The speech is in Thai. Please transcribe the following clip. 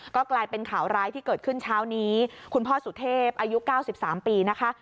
ก็กลายเป็นข่าวร้ายที่เกิดขึ้นเช้านี้คุณพ่อสุเทพอายุ๙๓ปีนะคะ